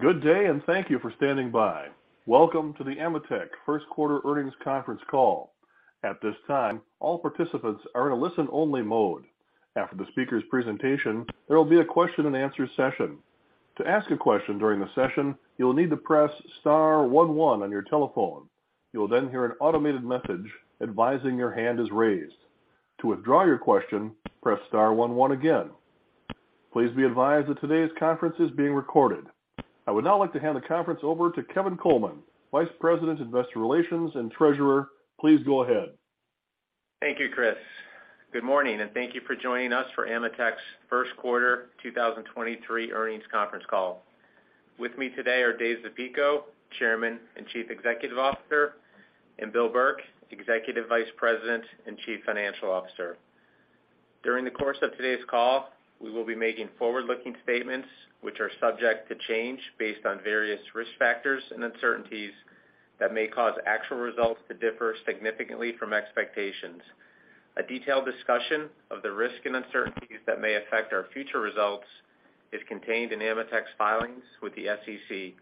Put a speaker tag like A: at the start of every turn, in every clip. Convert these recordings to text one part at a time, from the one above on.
A: Good day, and thank you for standing by. Welcome to the AMETEK First Quarter Earnings Conference Call. At this time, all participants are in a listen-only mode. After the speaker's presentation, there will be a question-and-answer session. To ask a question during the session, you will need to press star one one on your telephone. You will then hear an automated message advising your hand is raised. To withdraw your question, press star one one again. Please be advised that today's conference is being recorded. I would now like to hand the conference over to Kevin Coleman, Vice President, Investor Relations and Treasurer. Please go ahead.
B: Thank you, Chris. Good morning, and thank you for joining us for AMETEK's first quarter 2023 earnings conference call. With me today are Dave Zapico, Chairman and Chief Executive Officer, and Bill Burke, Executive Vice President and Chief Financial Officer. During the course of today's call, we will be making forward-looking statements, which are subject to change based on various risk factors and uncertainties that may cause actual results to differ significantly from expectations. A detailed discussion of the risks and uncertainties that may affect our future results is contained in AMETEK's filings with the SEC.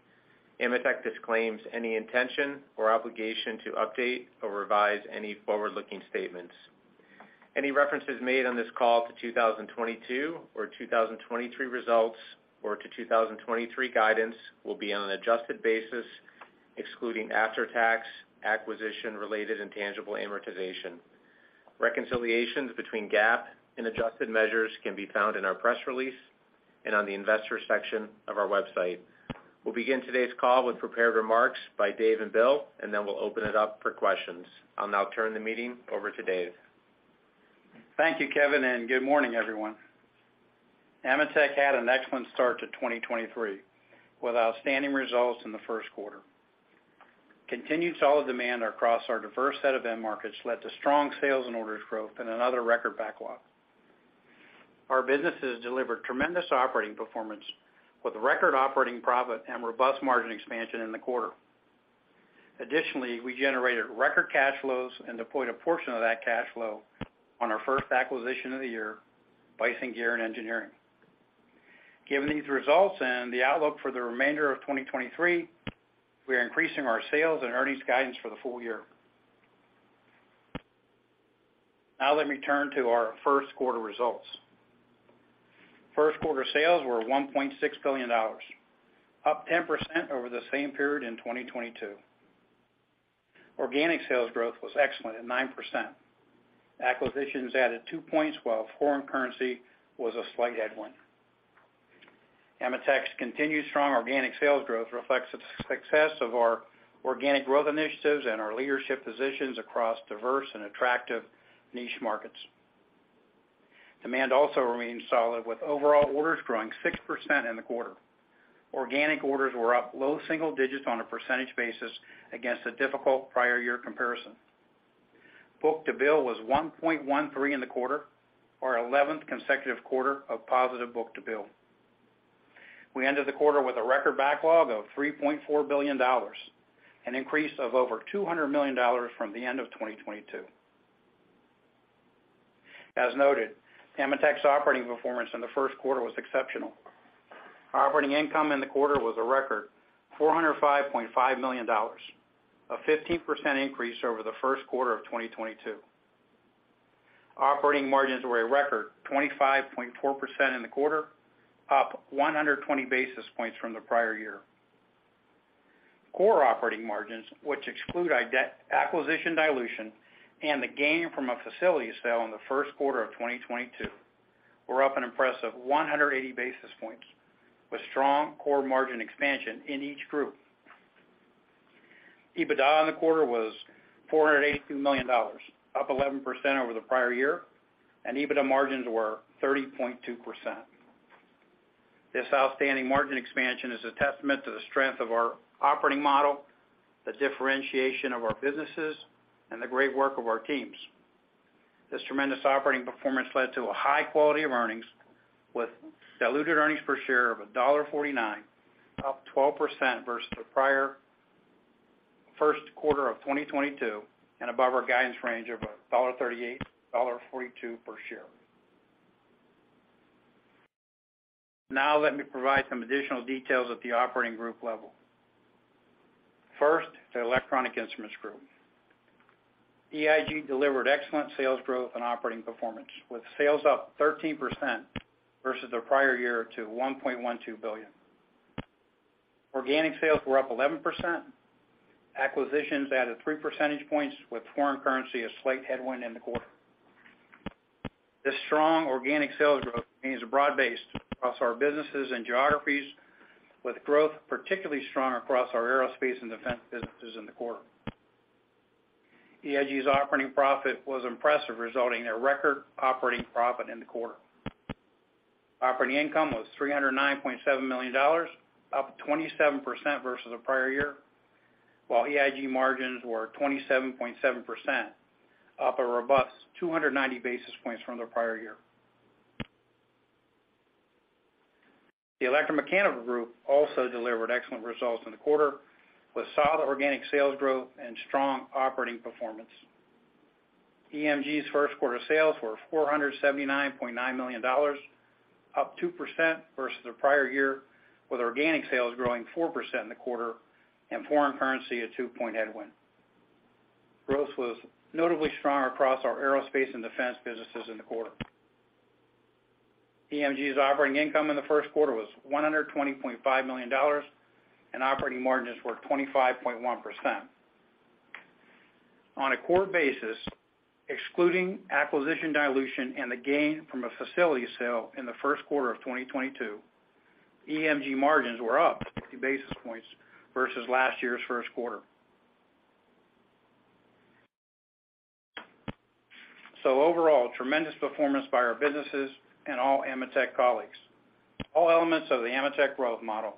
B: AMETEK disclaims any intention or obligation to update or revise any forward-looking statements. Any references made on this call to 2022 or 2023 results or to 2023 guidance will be on an adjusted basis, excluding after-tax acquisition related intangible amortization. Reconciliations between GAAP and adjusted measures can be found in our press release and on the investor section of our website. We'll begin today's call with prepared remarks by Dave and Bill, and then we'll open it up for questions. I'll now turn the meeting over to Dave.
C: Thank you, Kevin. Good morning, everyone. AMETEK had an excellent start to 2023, with outstanding results in the first quarter. Continued solid demand across our diverse set of end markets led to strong sales and orders growth and another record backlog. Our businesses delivered tremendous operating performance with record operating profit and robust margin expansion in the quarter. Additionally, we generated record cash flows and deployed a portion of that cash flow on our first acquisition of the year, Bison Gear and Engineering. Given these results and the outlook for the remainder of 2023, we are increasing our sales and earnings guidance for the full year. Let me turn to our first quarter results. First quarter sales were $1.6 billion, up 10% over the same period in 2022. Organic sales growth was excellent at 9%. Acquisitions added two points while foreign currency was a slight headwind. AMETEK's continued strong organic sales growth reflects the success of our organic growth initiatives and our leadership positions across diverse and attractive niche markets. Demand also remains solid, with overall orders growing 6% in the quarter. Organic orders were up low single digits on a percentage basis against a difficult prior year comparison. Book-to-bill was 1.13 in the quarter, our 11th consecutive quarter of positive book-to-bill. We ended the quarter with a record backlog of $3.4 billion, an increase of over $200 million from the end of 2022. As noted, AMETEK's operating performance in the first quarter was exceptional. Our operating income in the quarter was a record $405.5 million, a 15% increase over the first quarter of 2022. Operating margins were a record 25.4% in the quarter, up 120 basis points from the prior year. Core operating margins, which exclude acquisition dilution and the gain from a facility sale in the first quarter of 2022, were up an impressive 180 basis points, with strong core margin expansion in each group. EBITDA in the quarter was $482 million, up 11% over the prior year, and EBITDA margins were 30.2%. This outstanding margin expansion is a testament to the strength of our operating model, the differentiation of our businesses, and the great work of our teams. This tremendous operating performance led to a high quality of earnings, with diluted earnings per share of $1.49, up 12% versus the prior first quarter of 2022, and above our guidance range of $1.38-$1.42 per share. Now let me provide some additional details at the operating group level. First, the Electronic Instruments Group. EIG delivered excellent sales growth and operating performance, with sales up 13% versus the prior year to $1.12 billion. Organic sales were up 11%. Acquisitions added 3 percentage points, with foreign currency a slight headwind in the quarter. This strong organic sales growth means a broad base across our businesses and geographies, with growth particularly strong across our aerospace and defense businesses in the quarter. EIG's operating profit was impressive, resulting in a record operating profit in the quarter.
D: Operating income was $309.7 million, up 27% versus the prior year, while EIG margins were 27.7%, up a robust 290 basis points from the prior year. The Electromechanical Group also delivered excellent results in the quarter, with solid organic sales growth and strong operating performance. EMG's first quarter sales were $479.9 million, up 2% versus the prior year, with organic sales growing 4% in the quarter and foreign currency a 2-point headwind. Growth was notably strong across our aerospace and defense businesses in the quarter. EMG's operating income in the first quarter was $120.5 million, and operating margins were 25.1%.
C: On a core basis, excluding acquisition dilution and the gain from a facility sale in the first quarter of 2022, EMG margins were up 50 basis points versus last year's first quarter. Overall, tremendous performance by our businesses and all AMETEK colleagues. All elements of the AMETEK growth model,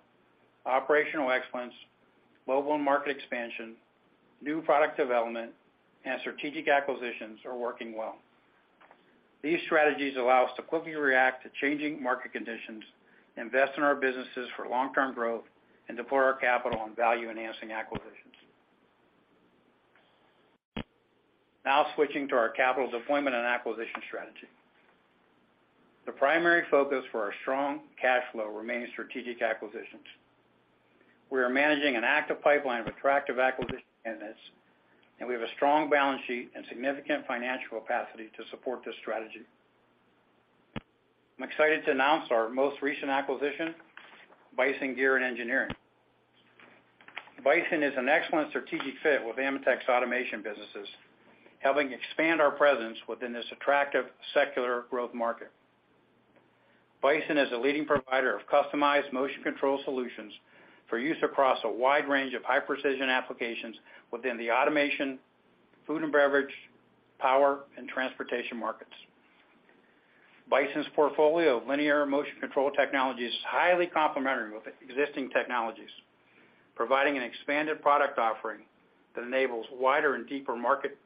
C: operational excellence, global market expansion, new product development, and strategic acquisitions are working well. These strategies allow us to quickly react to changing market conditions, invest in our businesses for long-term growth, and deploy our capital on value-enhancing acquisitions. Switching to our capital deployment and acquisition strategy. The primary focus for our strong cash flow remains strategic acquisitions. We are managing an active pipeline of attractive acquisition candidates, and we have a strong balance sheet and significant financial capacity to support this strategy. I'm excited to announce our most recent acquisition, Bison Gear & Engineering. Bison is an excellent strategic fit with AMETEK's automation businesses, helping expand our presence within this attractive secular growth market. Bison is a leading provider of customized motion control solutions for use across a wide range of high-precision applications within the automation, food and beverage, power, and transportation markets. Bison's portfolio of linear motion control technology is highly complementary with existing technologies, providing an expanded product offering that enables wider and deeper market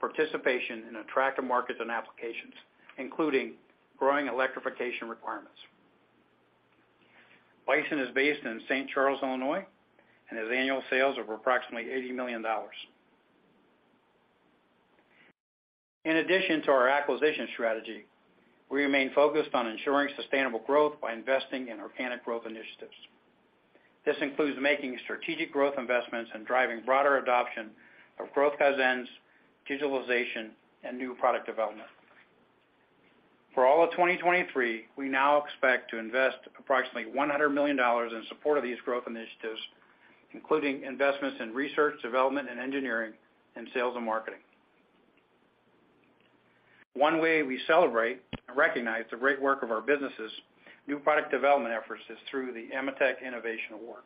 C: participation in attractive markets and applications, including growing electrification requirements. Bison is based in St. Charles, Illinois, and has annual sales of approximately $80 million. In addition to our acquisition strategy, we remain focused on ensuring sustainable growth by investing in organic growth initiatives. This includes making strategic growth investments and driving broader adoption of growth kaizens, digitalization, and new product development. For all of 2023, we now expect to invest approximately $100 million in support of these growth initiatives, including investments in research, development, and engineering, and sales and marketing. One way we celebrate and recognize the great work of our businesses' new product development efforts is through the AMETEK Innovation Award.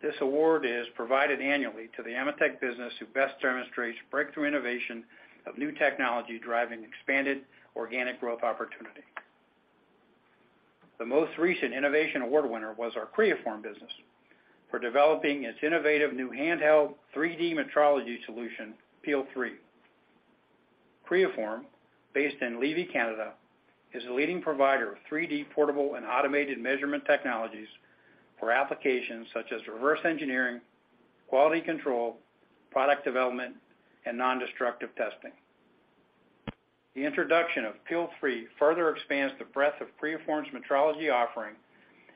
C: This award is provided annually to the AMETEK business who best demonstrates breakthrough innovation of new technology driving expanded organic growth opportunity. The most recent Innovation Award winner was our Creaform business for developing its innovative new handheld 3D metrology solution, peel 3. Creaform, based in Lévis, Canada, is a leading provider of 3D portable and automated measurement technologies for applications such as reverse engineering, quality control, product development, and nondestructive testing. The introduction of peel 3 further expands the breadth of Creaform's metrology offering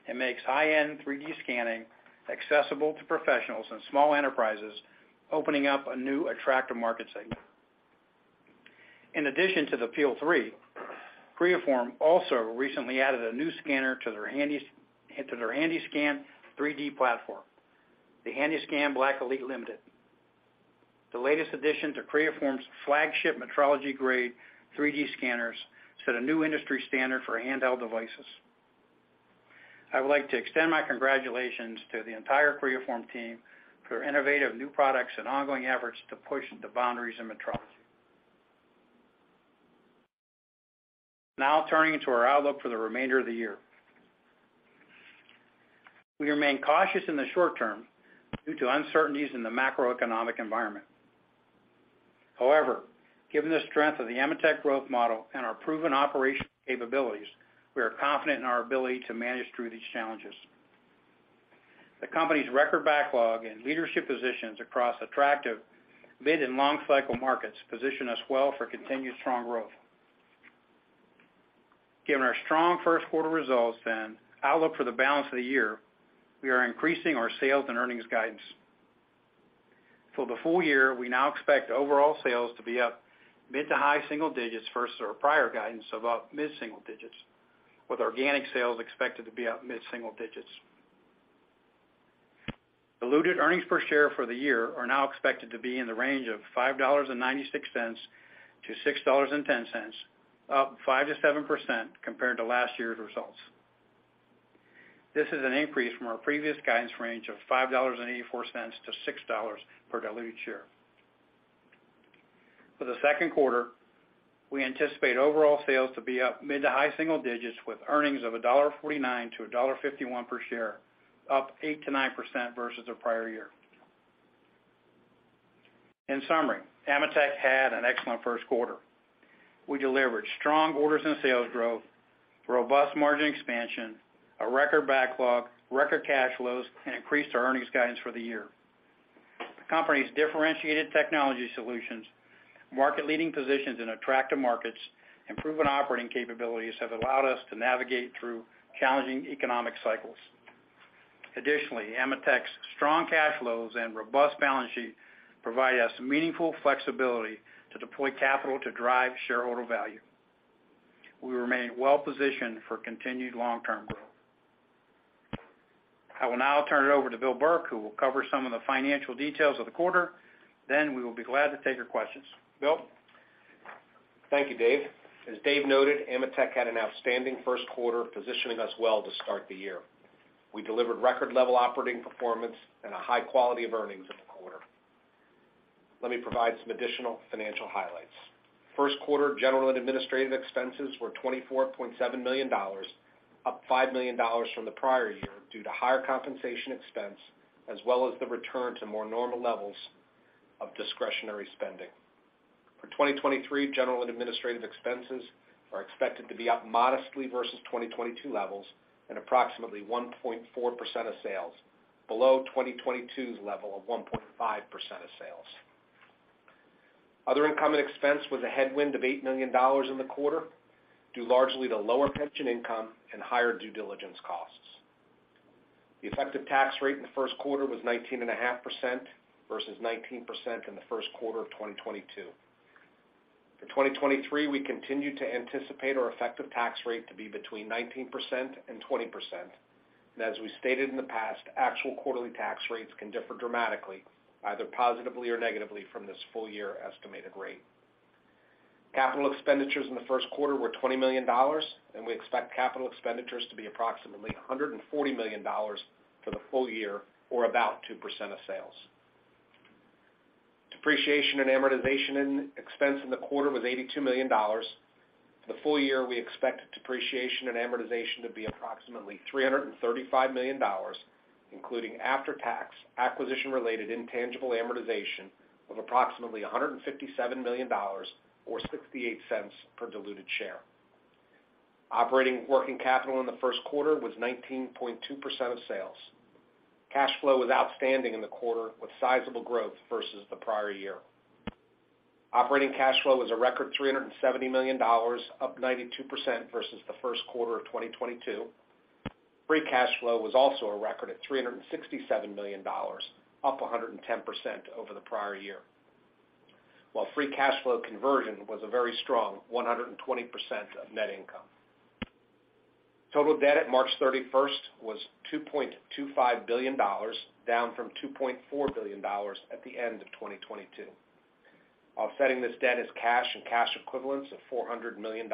C: and makes high-end 3D scanning accessible to professionals and small enterprises, opening up a new attractive market segment. In addition to the peel 3, Creaform also recently added a new scanner to their HandySCAN 3D platform, the HandySCAN BLACK Elite Limited. The latest addition to Creaform's flagship metrology-grade 3D scanners set a new industry standard for handheld devices. I would like to extend my congratulations to the entire Creaform team for innovative new products and ongoing efforts to push the boundaries in metrology. Now turning to our outlook for the remainder of the year. We remain cautious in the short term due to uncertainties in the macroeconomic environment. However, given the strength of the AMETEK growth model and our proven operational capabilities, we are confident in our ability to manage through these challenges. The company's record backlog and leadership positions across attractive mid and long cycle markets position us well for continued strong growth. Given our strong first quarter results and outlook for the balance of the year, we are increasing our sales and earnings guidance. For the full year, we now expect overall sales to be up mid to high single digits versus our prior guidance of up mid single digits, with organic sales expected to be up mid single digits. Diluted earnings per share for the year are now expected to be in the range of $5.96-$6.10, up 5%-7% compared to last year's results. This is an increase from our previous guidance range of $5.84-$6.00 per diluted share. For the second quarter, we anticipate overall sales to be up mid- to high-single digits with earnings of $1.49-$1.51 per share, up 8%-9% versus the prior year. In summary, AMETEK had an excellent first quarter. We delivered strong orders and sales growth, robust margin expansion, a record backlog, record cash flows, and increased our earnings guidance for the year. The company's differentiated technology solutions, market leading positions in attractive markets, and proven operating capabilities have allowed us to navigate through challenging economic cycles. Additionally, AMETEK's strong cash flows and robust balance sheet provide us meaningful flexibility to deploy capital to drive shareholder value. We remain well positioned for continued long-term growth. I will now turn it over to Bill Burke, who will cover some of the financial details of the quarter. We will be glad to take your questions. Bill?
E: Thank you, Dave. As Dave noted, AMETEK had an outstanding first quarter, positioning us well to start the year. We delivered record level operating performance and a high quality of earnings in the quarter. Let me provide some additional financial highlights. First quarter general and administrative expenses were $24.7 million, up $5 million from the prior year due to higher compensation expense as well as the return to more normal levels of discretionary spending. For 2023, general and administrative expenses are expected to be up modestly versus 2022 levels and approximately 1.4% of sales, below 2022's level of 1.5% of sales. Other income and expense was a headwind of $8 million in the quarter, due largely to lower pension income and higher due diligence costs. The effective tax rate in the first quarter was 19.5% versus 19% in the first quarter of 2022. For 2023, we continue to anticipate our effective tax rate to be between 19% and 20%. As we stated in the past, actual quarterly tax rates can differ dramatically, either positively or negatively from this full year estimated rate. Capital expenditures in the first quarter were $20 million, and we expect capital expenditures to be approximately $140 million for the full year or about 2% of sales. Depreciation and amortization in expense in the quarter was $82 million. For the full year, we expect depreciation and amortization to be approximately $335 million, including after-tax acquisition-related intangible amortization of approximately $157 million or $0.68 per diluted share. Operating working capital in the first quarter was 19.2% of sales. Cash flow was outstanding in the quarter, with sizable growth versus the prior year. Operating cash flow was a record $370 million, up 92% versus the first quarter of 2022. Free cash flow was also a record at $367 million, up 110% over the prior year, while free cash flow conversion was a very strong 120% of net income. Total debt at March 31st was $2.25 billion, down from $2.4 billion at the end of 2022. Offsetting this debt is cash and cash equivalents of $400 million.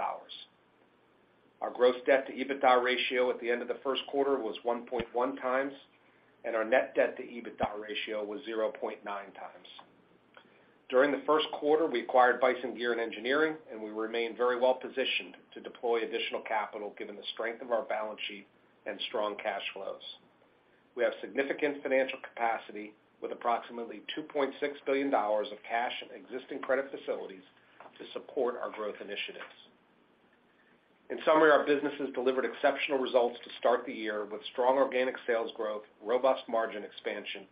E: Our gross debt to EBITDA ratio at the end of the first quarter was 1.1 times. Our net debt to EBITDA ratio was 0.9 times. During the first quarter, we acquired Bison Gear and Engineering. We remain very well positioned to deploy additional capital given the strength of our balance sheet and strong cash flows. We have significant financial capacity with approximately $2.6 billion of cash and existing credit facilities to support our growth initiatives. In summary, our businesses delivered exceptional results to start the year with strong organic sales growth, robust margin expansion,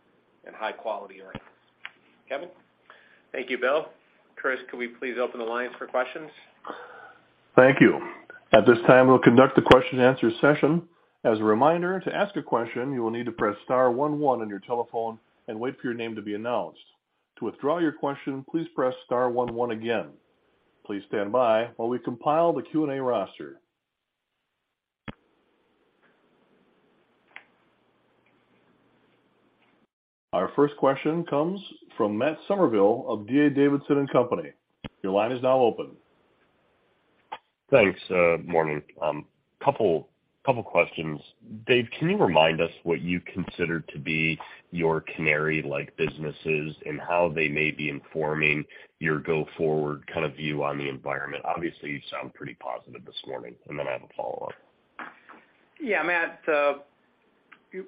E: and high-quality earnings. Kevin?
B: Thank you. Bill. Chris, could we please open the lines for questions?
A: Thank you. At this time, we'll conduct the question and answer session. As a reminder, to ask a question, you will need to press star one one on your telephone and wait for your name to be announced. To withdraw your question, please press star one one again. Please stand by while we compile the Q&A roster. Our first question comes from Matt Summerville of D.A. Davidson & Co. Your line is now open.
F: Thanks, morning. Couple questions. Dave, can you remind us what you consider to be your canary-like businesses and how they may be informing your go-forward kind of view on the environment? Obviously, you sound pretty positive this morning, and then I have a follow-up.
C: Yeah, Matt,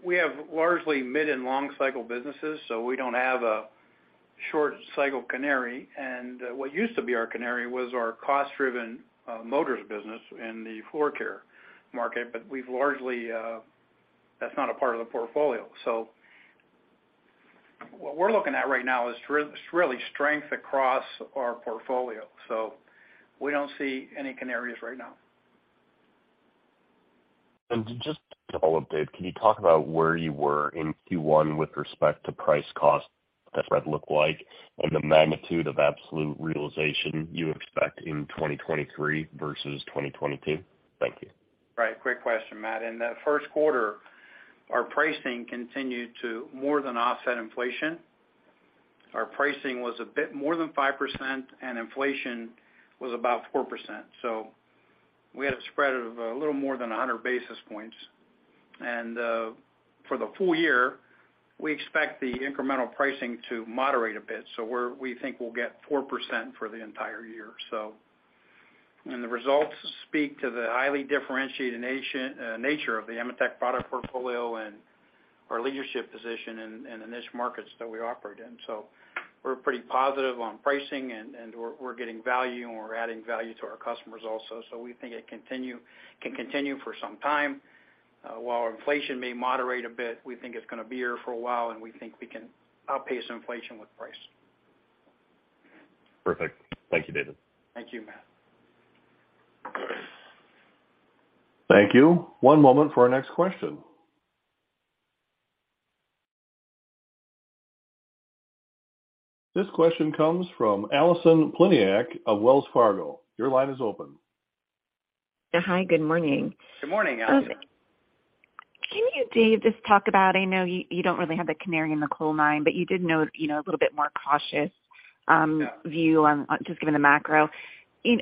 C: we have largely mid and long cycle businesses, so we don't have a short cycle canary. What used to be our canary was our cost-driven motors business in the floor care market, but we've largely, that's not a part of the portfolio. What we're looking at right now is really strength across our portfolio. We don't see any canaries right now.
F: Just to follow up, Dave, can you talk about where you were in Q1 with respect to price cost that spread looked like and the magnitude of absolute realization you expect in 2023 versus 2022? Thank you.
C: Right. Great question, Matt. In the first quarter, our pricing continued to more than offset inflation. Our pricing was a bit more than 5%, and inflation was about 4%. We had a spread of a little more than 100 basis points. For the full year, we expect the incremental pricing to moderate a bit. We think we'll get 4% for the entire year. The results speak to the highly differentiated nature of the AMETEK product portfolio and our leadership position in the niche markets that we operate in. We're pretty positive on pricing and we're getting value, and we're adding value to our customers also. We think it can continue for some time. While inflation may moderate a bit, we think it's gonna be here for a while, and we think we can outpace inflation with price.
F: Perfect. Thank you, David.
C: Thank you, Matt.
A: Thank you. One moment for our next question. This question comes from Allison Poliniak-Cusic of Wells Fargo. Your line is open.
G: Yeah, hi, good morning.
C: Good morning, Allison.
G: Can you, Dave, just talk about, I know you don't really have the canary in the coal mine, but you did note, you know, a little bit more cautious?
C: Yeah
G: View on just given the macro.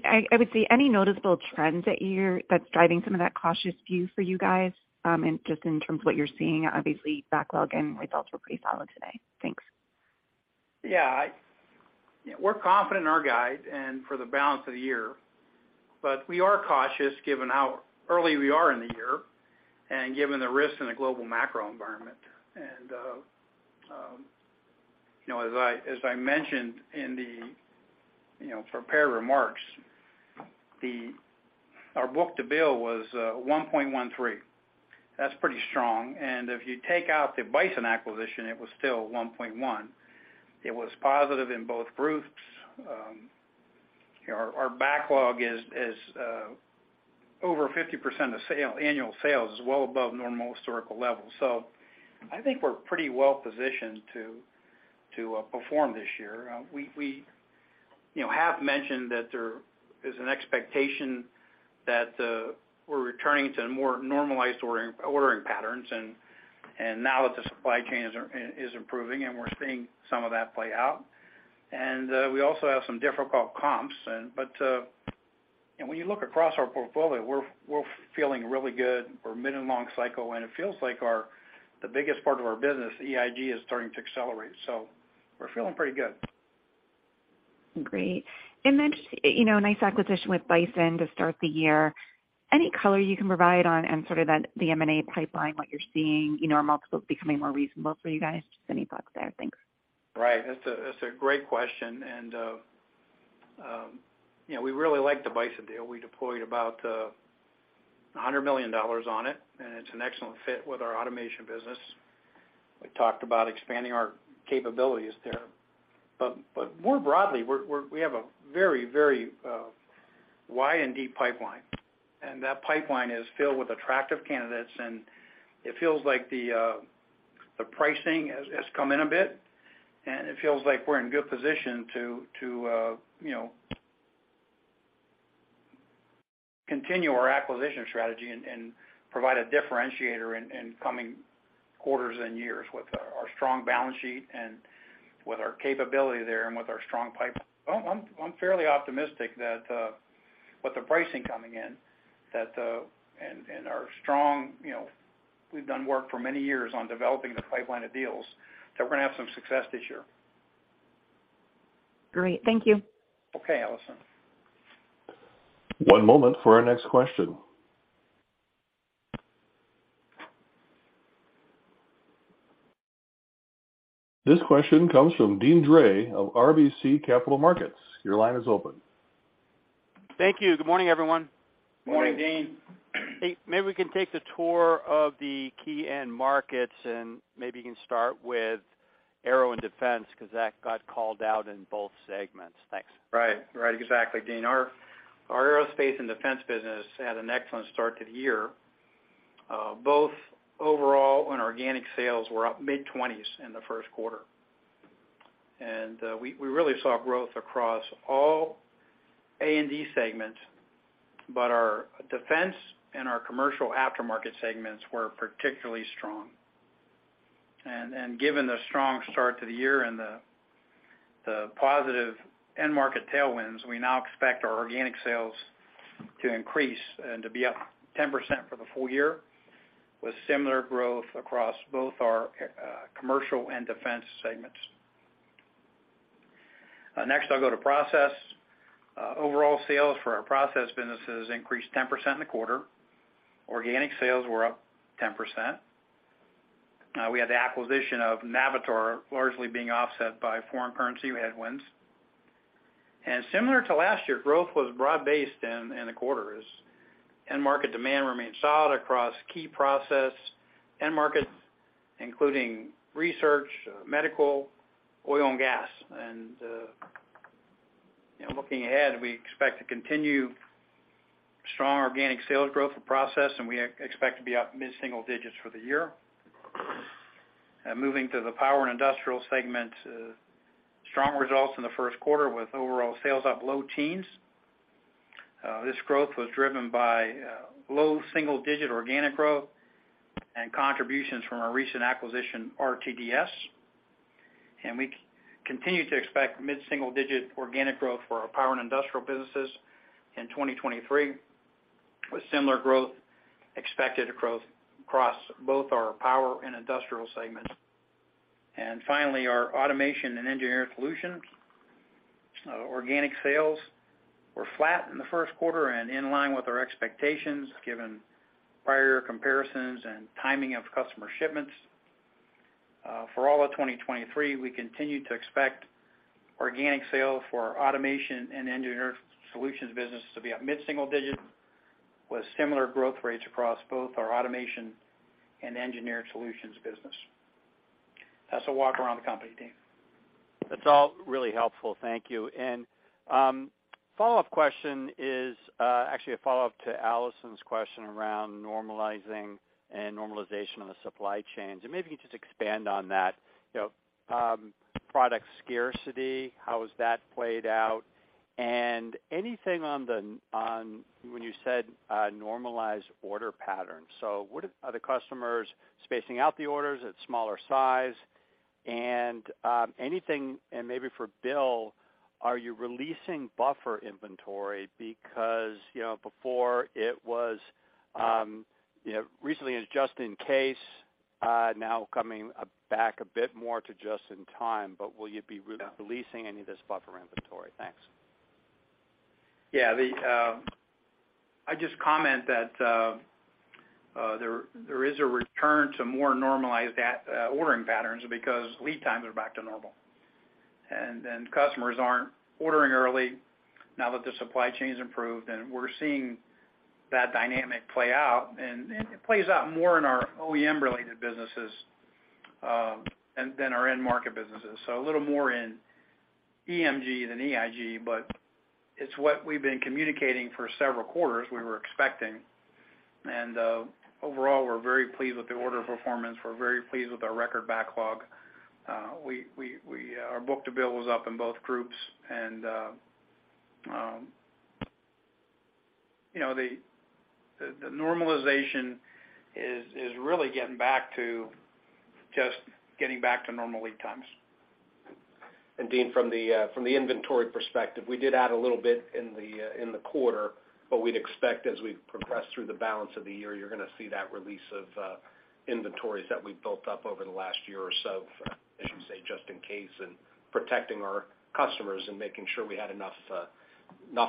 G: I would say any noticeable trends that's driving some of that cautious view for you guys, just in terms of what you're seeing, obviously backlog and results were pretty solid today? Thanks.
C: Yeah. We're confident in our guide and for the balance of the year. We are cautious given how early we are in the year and given the risks in the global macro environment. You know, as I mentioned in the, you know, prepared remarks, our book-to-bill was 1.13. That's pretty strong. If you take out the Bison acquisition, it was still 1.1. It was positive in both groups. Our backlog is over 50% of annual sales, is well above normal historical levels. I think we're pretty well positioned to perform this year. We, you know, have mentioned that there is an expectation that we're returning to more normalized ordering patterns and now that the supply chain is improving, and we're seeing some of that play out. We also have some difficult comps but when you look across our portfolio, we're feeling really good. We're mid and long cycle, and it feels like our the biggest part of our business, EIG, is starting to accelerate. We're feeling pretty good.
G: Great. Just, you know, nice acquisition with Bison to start the year. Any color you can provide on and sort of the M&A pipeline, what you're seeing, you know, are multiples becoming more reasonable for you guys? Just any thoughts there. Thanks.
C: Right. That's a great question. You know, we really like the Bison deal. We deployed about $100 million on it, and it's an excellent fit with our automation business. We talked about expanding our capabilities there. More broadly, we have a very, very wide and deep pipeline, and that pipeline is filled with attractive candidates, and it feels like the pricing has come in a bit, and it feels like we're in good position to, you know, continue our acquisition strategy and provide a differentiator in coming quarters and years with our strong balance sheet and with our capability there and with our strong pipe. Well, I'm fairly optimistic that with the pricing coming in, that and our strong, you know, we've done work for many years on developing the pipeline of deals, that we're gonna have some success this year.
G: Great. Thank you.
C: Okay, Allison.
A: One moment for our next question. This question comes from Deane Dray of RBC Capital Markets. Your line is open.
H: Thank you. Good morning, everyone.
C: Good morning, Deane.
H: Hey, maybe we can take the tour of the key end markets. Maybe you can start with aero and defense, 'cause that got called out in both segments. Thanks.
C: Right. Right. Exactly, Deane. Our aerospace and defense business had an excellent start to the year. Both overall and organic sales were up mid-20s in the first quarter. We really saw growth across all A&D segments, but our defense and our commercial aftermarket segments were particularly strong. Given the strong start to the year and the positive end market tailwinds, we now expect our organic sales to increase and to be up 10% for the full year, with similar growth across both our commercial and defense segments. Next, I'll go to process. Overall sales for our process businesses increased 10% in the quarter. Organic sales were up 10%. We had the acquisition of Navitar largely being offset by foreign currency headwinds. Similar to last year, growth was broad-based in the quarters. End market demand remained solid across key process end markets, including research, medical, oil and gas. You know, looking ahead, we expect to continue strong organic sales growth for process, and we expect to be up mid-single digits for the year. Moving to the power and industrial segment, strong results in the first quarter with overall sales up low teens. This growth was driven by low single-digit organic growth and contributions from our recent acquisition, RTDS. We continue to expect mid-single digit organic growth for our power and industrial businesses in 2023, with similar growth expected to growth across both our power and industrial segments. Finally, our automation and engineering solutions. Organic sales were flat in the first quarter and in line with our expectations, given prior comparisons and timing of customer shipments. For all of 2023, we continue to expect organic sales for our automation and engineered solutions business to be up mid-single digit, with similar growth rates across both our automation and engineered solutions business. That's a walk around the company, Deane.
H: That's all really helpful. Thank you. Follow-up question is actually a follow-up to Allison's question around normalizing and normalization of the supply chains. Maybe you could just expand on that. You know, product scarcity, how has that played out? Anything on the, on when you said normalized order patterns. Are the customers spacing out the orders at smaller size? Anything, and maybe for Bill, are you releasing buffer inventory? Because, you know, before it was, you know, recently it was just in case, now coming back a bit more to just in time. Will you be releasing any of this buffer inventory? Thanks.
C: Yeah. The, I'd just comment that there is a return to more normalized ordering patterns because lead times are back to normal. Customers aren't ordering early now that the supply chain's improved, and we're seeing that dynamic play out. It plays out more in our OEM related businesses than our end market businesses. A little more in EMG than EIG, but it's what we've been communicating for several quarters we were expecting. Overall, we're very pleased with the order performance. We're very pleased with our record backlog. We, our book-to-bill was up in both groups. You know, the normalization is really getting back to just getting back to normal lead times.
E: Deane, from the, from the inventory perspective, we did add a little bit in the, in the quarter, but we'd expect as we progress through the balance of the year, you're gonna see that release of, inventories that we've built up over the last year or so, as you say, just in case, and protecting our customers and making sure we had enough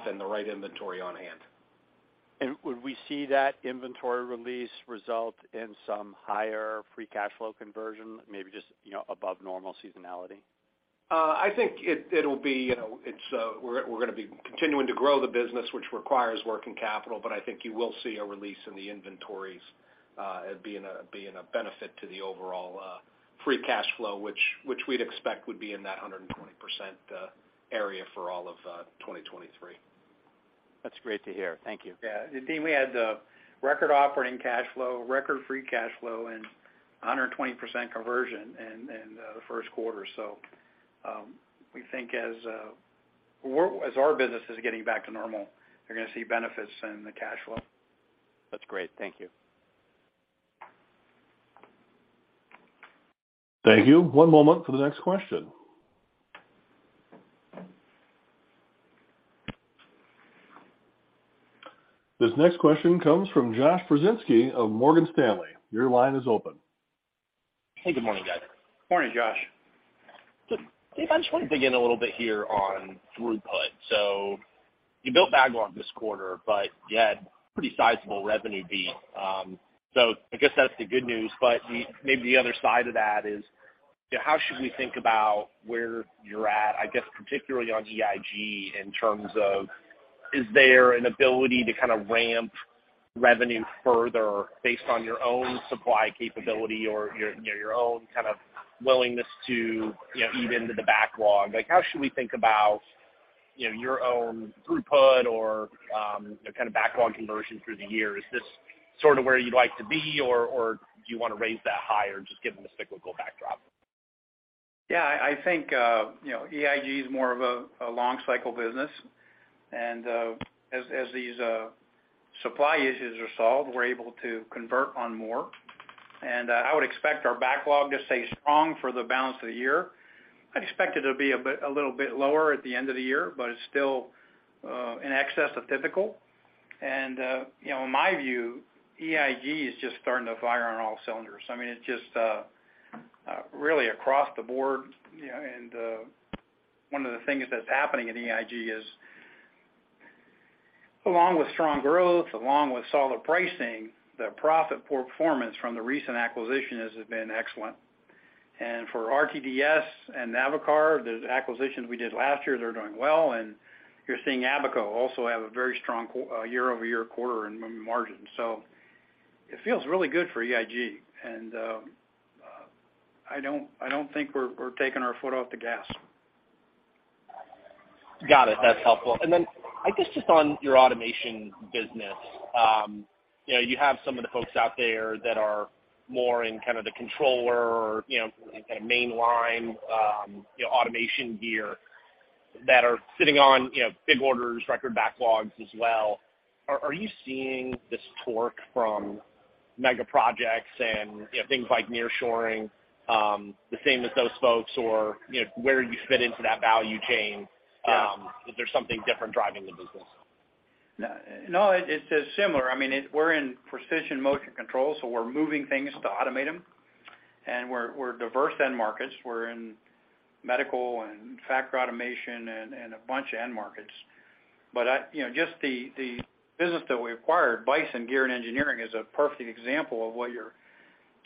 E: and the right inventory on hand.
H: Would we see that inventory release result in some higher free cash flow conversion, maybe just, you know, above normal seasonality?
E: I think it'll be, you know, it's, we're gonna be continuing to grow the business, which requires working capital, but I think you will see a release in the inventories, being a benefit to the overall free cash flow, which we'd expect would be in that 120% area for all of 2023.
H: That's great to hear. Thank you.
C: Yeah. Dean, we had record operating cash flow, record free cash flow, and 120% conversion in the first quarter. We think as our business is getting back to normal, you're gonna see benefits in the cash flow.
H: That's great. Thank you.
A: Thank you. One moment for the next question. This next question comes from Josh Pokrzywinski of Morgan Stanley. Your line is open.
I: Hey, good morning, guys.
C: Morning, Josh.
I: Dave, I just wanted to dig in a little bit here on throughput. You built backlog this quarter, but you had pretty sizable revenue beat. I guess that's the good news. Maybe the other side of that is, you know, how should we think about where you're at, I guess, particularly on EIG, in terms of is there an ability to kind of ramp revenue further based on your own supply capability or your, you know, your own kind of willingness to, you know, eat into the backlog? How should we think about, you know, your own throughput or the kind of backlog conversion through the year? Is this sort of where you'd like to be or do you wanna raise that higher just given the cyclical backdrop?
C: Yeah. I think, you know, EIG is more of a long cycle business. As these supply issues are solved, we're able to convert on more. I would expect our backlog to stay strong for the balance of the year. I'd expect it to be a little bit lower at the end of the year, but it's still in excess of typical. You know, in my view, EIG is just starting to fire on all cylinders. I mean, it's just really across the board. You know, one of the things that's happening in EIG is, along with strong growth, along with solid pricing, the profit performance from the recent acquisition has been excellent. For RTDS and Navitar, the acquisitions we did last year, they're doing well, and you're seeing Abaco also have a very strong year-over-year quarter in margin. It feels really good for EIG. I don't think we're taking our foot off the gas.
I: Got it. That's helpful. Then I guess just on your automation business, you know, you have some of the folks out there that are more in kind of the controller, you know, kind of mainline, you know, automation gear that are sitting on, you know, big orders, record backlogs as well. Are you seeing this torque from mega projects and, you know, things like nearshoring, the same as those folks? You know, where do you fit into that value chain? Is there something different driving the business?
C: No, it's similar. I mean, we're in precision motion control, so we're moving things to automate them. We're, we're diverse end markets. We're in medical and factory automation and a bunch of end markets. I mean, you know, just the business that we acquired, Bison Gear and Engineering, is a perfect example of what you're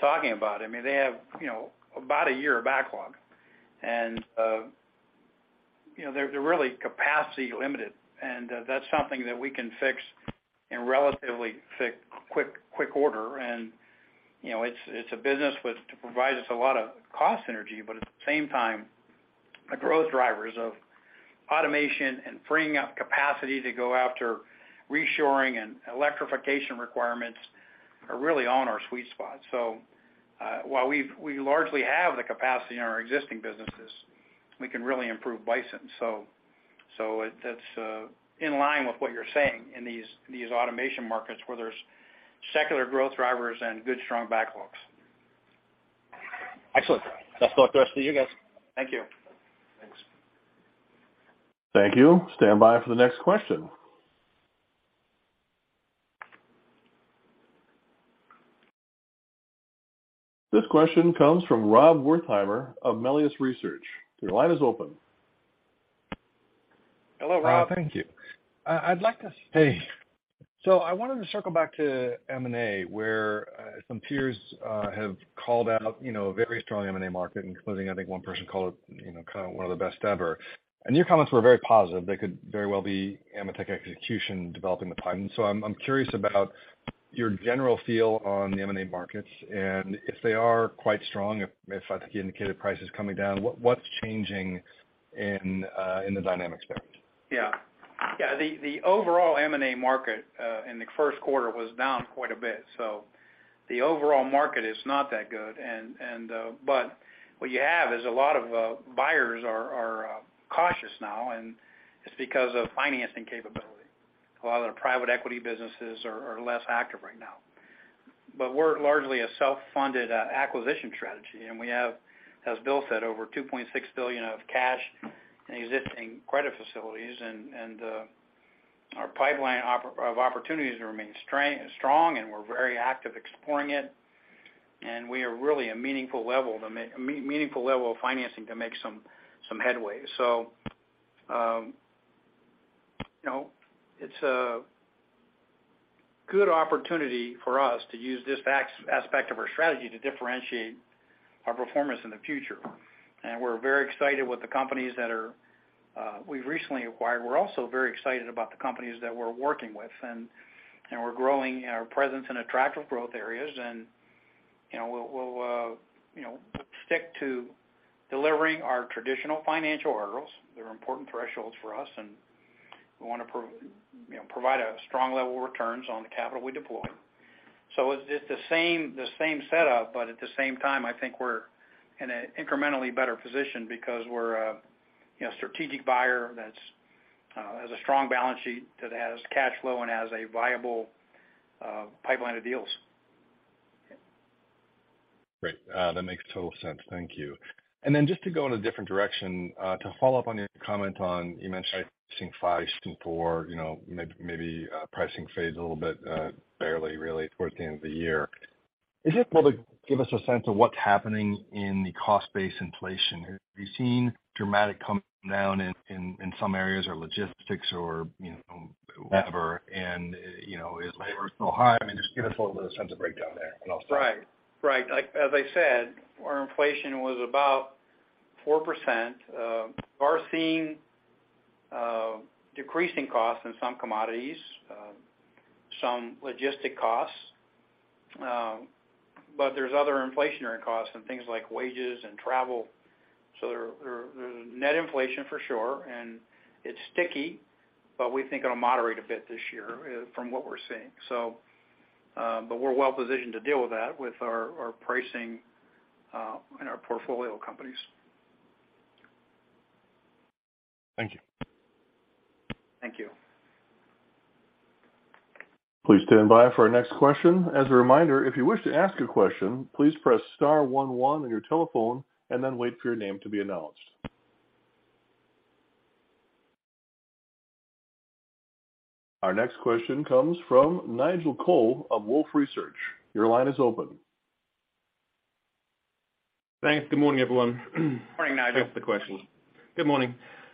C: talking about. I mean, they have, you know, about a year of backlog. You know, they're really capacity limited, and that's something that we can fix in relatively quick order. You know, it's a business that provides us a lot of cost synergy. At the same time, the growth drivers of automation and freeing up capacity to go after reshoring and electrification requirements are really on our sweet spot. While we largely have the capacity in our existing businesses, we can really improve Bison. That's in line with what you're saying in these automation markets where there's secular growth drivers and good, strong backlogs.
I: Excellent. That's all for us. To you guys. Thank you.
C: Thanks.
A: Thank you. Stand by for the next question. This question comes from Rob Wertheimer of Melius Research. Your line is open.
C: Hello, Rob.
D: Thank you. Hey. I wanted to circle back to M&A, where some peers have called out, you know, a very strong M&A market, including, I think one person called it, you know, kind of one of the best ever. Your comments were very positive. They could very well be AMETEK execution developing the pipeline. I'm curious about your general feel on the M&A markets, and if they are quite strong, if I think you indicated price is coming down, what's changing in the dynamics there?
C: Yeah. The overall M&A market in the first quarter was down quite a bit. The overall market is not that good. What you have is a lot of buyers are cautious now, and it's because of financing capability. A lot of the private equity businesses are less active right now. We're largely a self-funded acquisition strategy, and we have, as Bill said, over $2.6 billion of cash in existing credit facilities. Our pipeline of opportunities remains strong, and we're very active exploring it. We are really a meaningful level of financing to make some headway. You know, it's a good opportunity for us to use this aspect of our strategy to differentiate our performance in the future. We're very excited with the companies that are, we've recently acquired. We're also very excited about the companies that we're working with. We're growing our presence in attractive growth areas. You know, we'll, you know, stick to delivering our traditional financial overalls. They're important thresholds for us, and we wanna you know, provide a strong level of returns on the capital we deploy. It's the same setup, but at the same time, I think we're in an incrementally better position because we're a, you know, strategic buyer that's, has a strong balance sheet, that has cash flow and has a viable pipeline of deals.
D: Great. That makes total sense. Thank you. Just to go in a different direction, to follow up on your comment on, you mentioned pricing 5%, 4%, you know, pricing phase a little bit, really towards the end of the year. Is it possible to give us a sense of what's happening in the cost base inflation? Are you seeing dramatic coming down in some areas or logistics or, you know, whatever? You know, is labor still high? I mean, just give us a little bit of sense of breakdown there, and I'll stop.
C: Right. Right. Like, as I said, our inflation was about 4%. We are seeing decreasing costs in some commodities, some logistic costs. There's other inflationary costs and things like wages and travel. There's net inflation for sure, and it's sticky, but we think it'll moderate a bit this year from what we're seeing. We're well positioned to deal with that with our pricing and our portfolio companies.
D: Thank you.
C: Thank you.
A: Please stand by for our next question. As a reminder, if you wish to ask a question, please press star one one on your telephone and then wait for your name to be announced. Our next question comes from Nigel Coe of Wolfe Research. Your line is open.
J: Thanks. Good morning, everyone.
C: Morning, Nigel.
J: Thanks for the question. Good morning.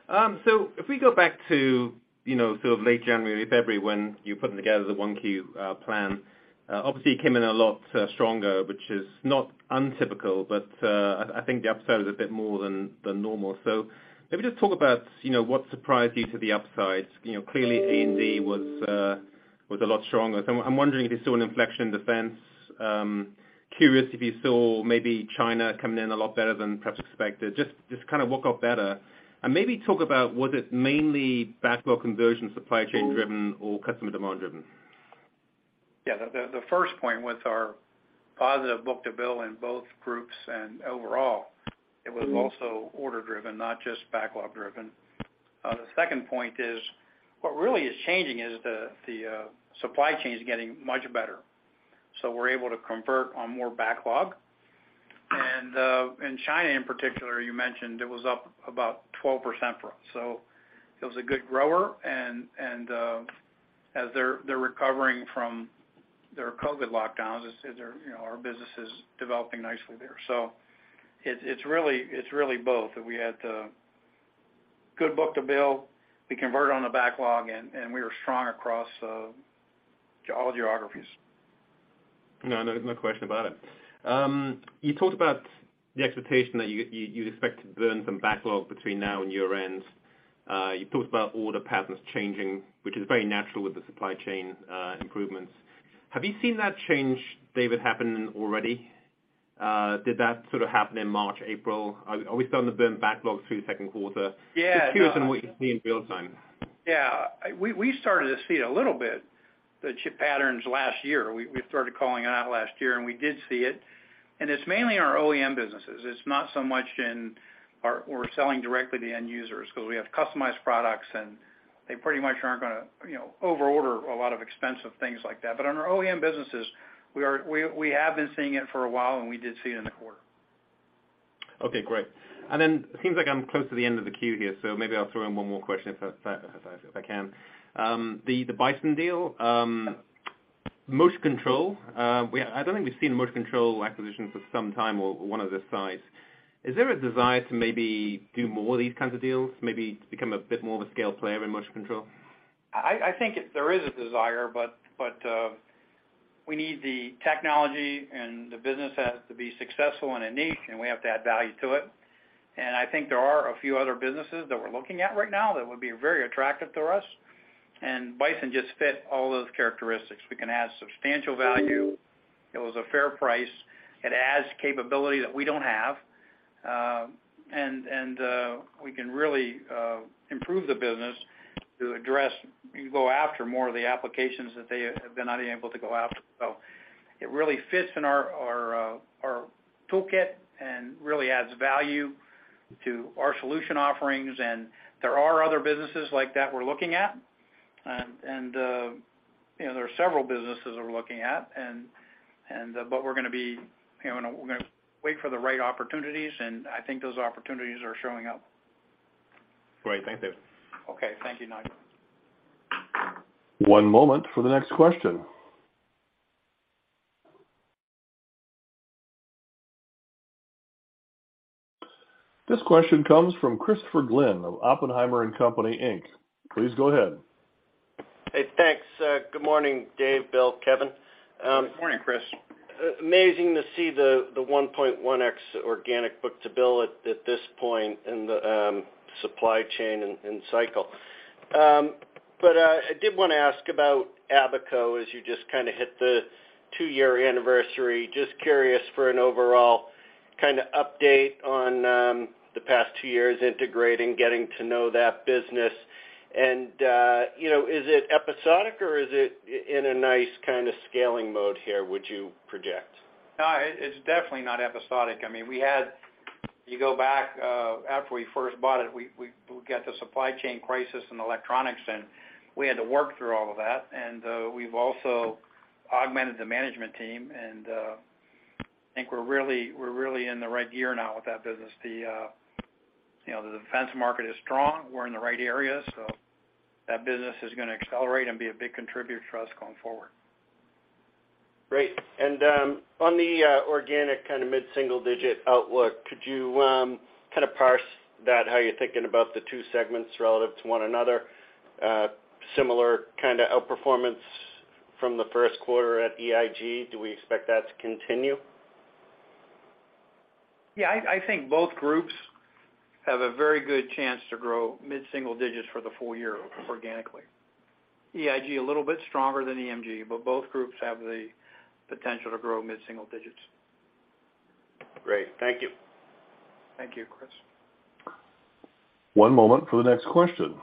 J: If we go back to, you know, sort of late January, February, when you're putting together the 1Q plan, obviously you came in a lot stronger, which is not untypical, but I think the upside was a bit more than normal. Maybe just talk about, you know, what surprised you to the upside. You know, clearly A&D was a lot stronger. I'm wondering if you saw an inflection in defense. Curious if you saw maybe China coming in a lot better than perhaps expected. Just kind of walk off better. Maybe talk about was it mainly backlog conversion, supply chain driven or customer demand driven?
C: The first point was our positive book-to-bill in both groups and overall, it was also order driven, not just backlog driven. The second point is what really is changing is the supply chain is getting much better. We're able to convert on more backlog. In China in particular, you mentioned it was up about 12% for us. It was a good grower and as they're recovering from their COVID lockdowns, it's, you know, our business is developing nicely there. It's really both, that we had good book-to-bill. We converted on the backlog and we were strong across all geographies.
J: No, no question about it. You talked about the expectation that you expect to burn some backlog between now and year-end. You talked about order patterns changing, which is very natural with the supply chain improvements. Have you seen that change, David, happen already? Did that sort of happen in March, April? Are we starting to burn backlogs through the second quarter?
C: Yeah.
J: Just curious on what you see in real time?
C: Yeah. We started to see it a little bit, the chip patterns last year. We started calling it out last year, we did see it. It's mainly in our OEM businesses. It's not so much in our where we're selling directly to end users, 'cause we have customized products, and they pretty much aren't gonna, you know, overorder a lot of expensive things like that. On our OEM businesses, we have been seeing it for a while, and we did see it in the quarter.
J: Okay, great. It seems like I'm close to the end of the queue here, maybe I'll throw in one more question if I can. The Bison deal, motion control, I don't think we've seen a motion control acquisition for some time or one of this size. Is there a desire to maybe do more of these kinds of deals, maybe to become a bit more of a scale player in motion control?
C: I think there is a desire, but we need the technology, and the business has to be successful and unique, and we have to add value to it. I think there are a few other businesses that we're looking at right now that would be very attractive to us. Bison just fit all those characteristics. We can add substantial value. It was a fair price. It adds capability that we don't have. We can really improve the business to address and go after more of the applications that they have been unable to go after. It really fits in our toolkit and really adds value to our solution offerings. There are other businesses like that we're looking at. you know, there are several businesses we're looking at. We're gonna be, you know, we're gonna wait for the right opportunities, and I think those opportunities are showing up.
J: Great. Thank you.
C: Okay. Thank you, Nigel.
A: One moment for the next question. This question comes from Christopher Glynn of Oppenheimer & Co. Inc. Please go ahead.
K: Hey, thanks. Good morning, Dave, Bill, Kevin.
C: Good morning, Chris.
K: Amazing to see the 1.1x organic book-to-bill at this point in the supply chain and cycle. I did wanna ask about Abaco Systems as you just kinda hit the two-year anniversary. Just curious for an overall kinda update on the past two years integrating, getting to know that business. You know, is it episodic or is it in a nice kind of scaling mode here would you project?
C: No, it's definitely not episodic. I mean, we had. You go back, after we first bought it, we got the supply chain crisis in electronics, and we had to work through all of that. We've also augmented the management team, and I think we're really in the right gear now with that business. The, you know, the defense market is strong. We're in the right area. That business is gonna accelerate and be a big contributor for us going forward.
K: Great. On the organic kind of mid-single digit outlook, could you kind of parse that, how you're thinking about the two segments relative to one another? Similar kind of outperformance from the first quarter at EIG. Do we expect that to continue?
C: Yeah. I think both groups have a very good chance to grow mid-single digits for the full year organically. EIG, a little bit stronger than EMG. Both groups have the potential to grow mid-single digits.
K: Great. Thank you.
C: Thank you, Chris.
A: One moment for the next question.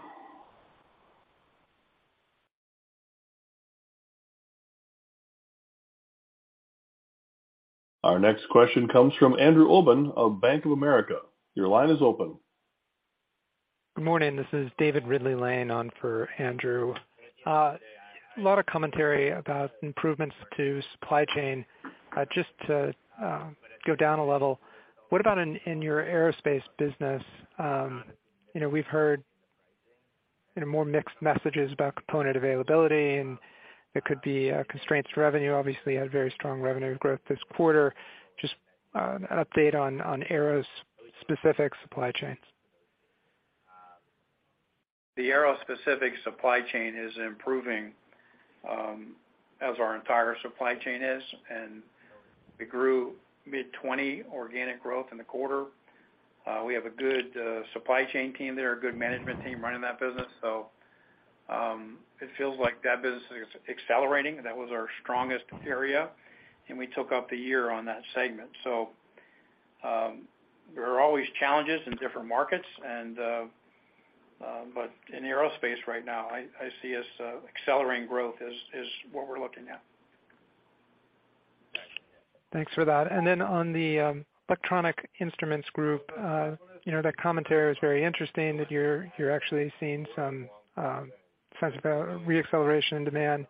A: Our next question comes from Andrew Obin of Bank of America. Your line is open.
L: Good morning. This is David Ridley-Lane on for Andrew. A lot of commentary about improvements to supply chain. Just to go down a level, what about in your aerospace business? You know, we've heard, you know, more mixed messages about component availability. There could be constraints to revenue. Obviously, you had very strong revenue growth this quarter. Just an update on aerospecific supply chains.
C: The aerospecific supply chain is improving, as our entire supply chain is. We grew mid-20 organic growth in the quarter. We have a good supply chain team there, a good management team running that business. It feels like that business is accelerating. That was our strongest area, and we took up the year on that segment. There are always challenges in different markets. In aerospace right now, I see us accelerating growth is what we're looking at.
L: Thanks for that. On the Electronic Instruments Group, you know, that commentary was very interesting, that you're actually seeing some signs of a re-acceleration in demand.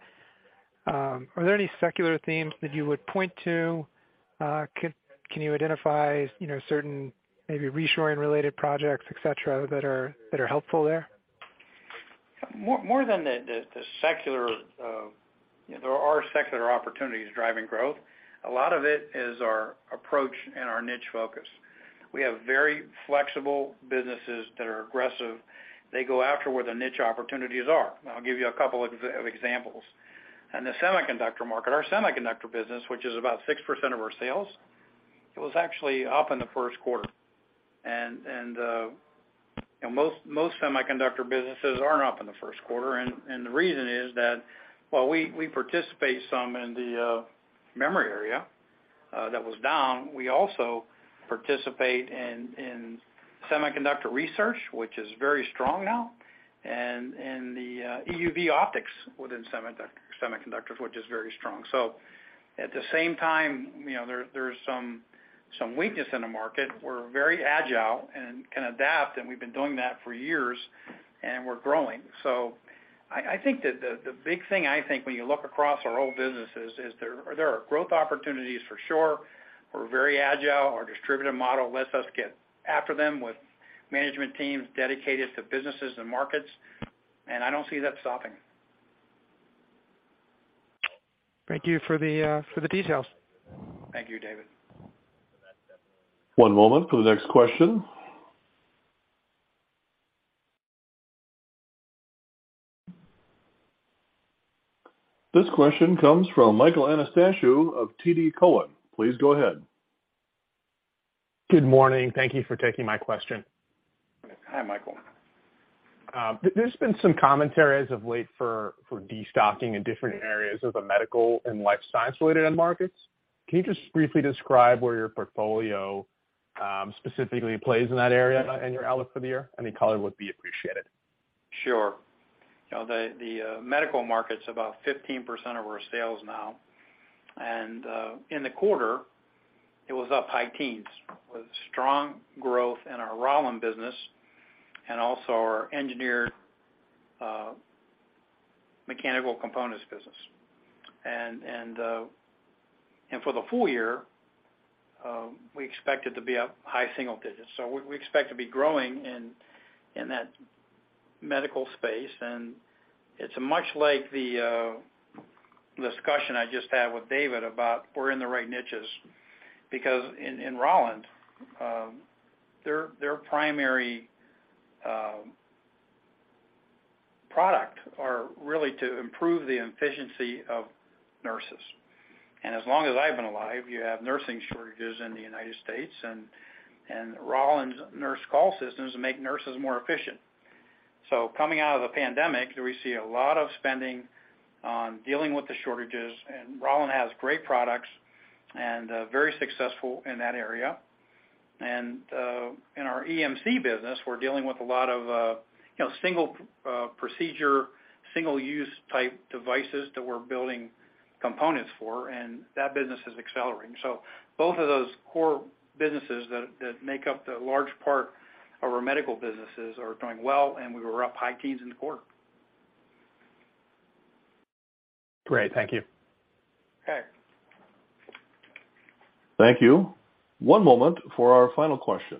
B: Are there any secular themes that you would point to? Can you identify, you know, certain maybe reshoring related projects, et cetera, that are helpful there?
C: More, more than the secular, there are secular opportunities driving growth. A lot of it is our approach and our niche focus. We have very flexible businesses that are aggressive. They go after where the niche opportunities are. I'll give you a couple examples. In the semiconductor market, our semiconductor business, which is about 6% of our sales, it was actually up in the first quarter. you know, most semiconductor businesses aren't up in the first quarter, and the reason is that while we participate some in the memory area, that was down, we also participate in semiconductor research, which is very strong now. in the EUV optics within semiconductors, which is very strong. at the same time, you know, there's some weakness in the market. We're very agile and can adapt, and we've been doing that for years, and we're growing. I think the big thing I think when you look across our old businesses is there are growth opportunities for sure. We're very agile. Our decentralized model lets us get after them with management teams dedicated to businesses and markets, and I don't see that stopping.
L: Thank you for the for the details.
C: Thank you, David.
A: One moment for the next question. This question comes from Michael Anastasiou of TD Cowen. Please go ahead.
M: Good morning. Thank you for taking my question.
C: Hi, Michael.
M: There's been some commentary as of late for destocking in different areas of the medical and life science related end markets. Can you just briefly describe where your portfolio specifically plays in that area and your outlook for the year? Any color would be appreciated.
C: Sure. You know, the medical market's about 15% of our sales now. In the quarter, it was up high teens with strong growth in our Rauland business and also our Engineered Medical Components business. For the full year, we expect it to be up high single digits. We expect to be growing in that medical space. It's much like the discussion I just had with David about we're in the right niches because in Rauland, their primary product are really to improve the efficiency of nurses. As long as I've been alive, you have nursing shortages in the United States. Rauland's nurse call systems make nurses more efficient. Coming out of the pandemic, we see a lot of spending on dealing with the shortages, and Rauland has great products and very successful in that area. In our EMC business, we're dealing with a lot of, you know, single procedure, single-use type devices that we're building components for, and that business is accelerating. Both of those core businesses that make up the large part of our medical businesses are doing well, and we were up high teens in the quarter.
M: Great. Thank you.
C: Okay.
A: Thank you. One moment for our final question.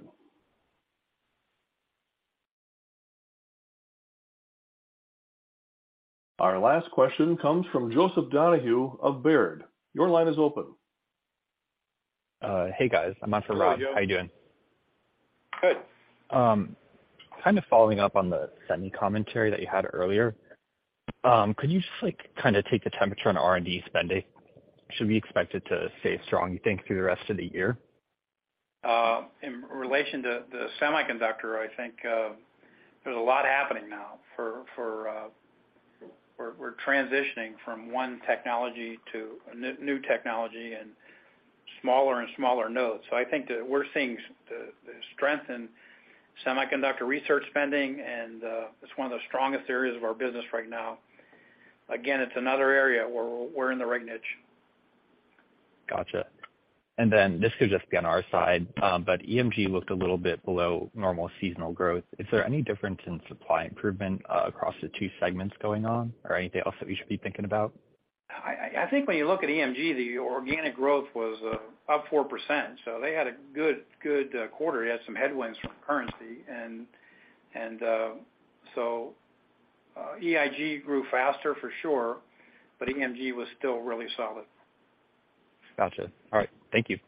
A: Our last question comes from Joseph Donahue of Baird. Your line is open.
N: Hey, guys. I'm outside Rob. How you doing?
C: Good.
N: Kind of following up on the semi commentary that you had earlier. Could you just like kinda take the temperature on R&D spending? Should we expect it to stay strong, you think, through the rest of the year?
C: In relation to the semiconductor, I think there's a lot happening now. We're transitioning from one technology to a new technology and smaller and smaller nodes. I think that we're seeing the strength in semiconductor research spending and it's one of the strongest areas of our business right now. Again, it's another area where we're in the right niche.
N: Gotcha. This could just be on our side, but EMG looked a little bit below normal seasonal growth. Is there any difference in supply improvement across the two segments going on or anything else that we should be thinking about?
C: I think when you look at EMG, the organic growth was up 4%, so they had a good quarter. They had some headwinds from currency and EIG grew faster for sure, but EMG was still really solid.
N: Gotcha. All right. Thank you.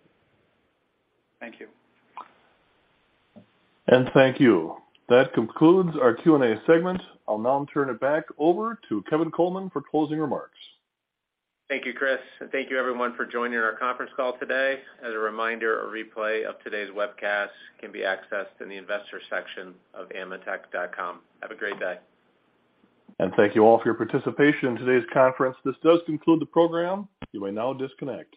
C: Thank you.
A: Thank you. That concludes our Q&A segment. I'll now turn it back over to Kevin Coleman for closing remarks.
B: Thank you, Chris. Thank you everyone for joining our conference call today. As a reminder, a replay of today's webcast can be accessed in the investor section of ametek.com. Have a great day.
A: Thank you all for your participation in today's conference. This does conclude the program. You may now disconnect.